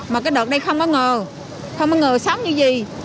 mà cái đợt đây không có ngờ không có người sống như gì